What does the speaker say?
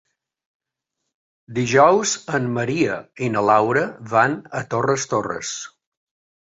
Dijous en Maria i na Laura van a Torres Torres.